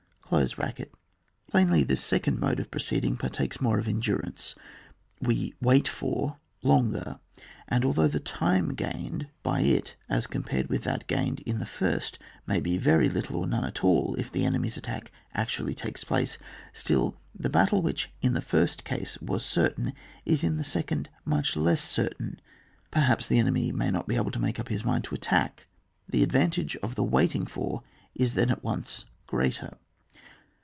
Plainly this second mode of proceeding, partakes more of endurance, we '' wait for " longer ; and although the tifM gained by it as com pared with that gained in the first, may be very little, or none at all if the enemy's attack actually takes place, still, the battle which in the first case was certain, is in the second much less cer tain, perhaps the enemy may not be able to nuike up his mind to attack ; the advantage of the " waiting for/' is then at once greater.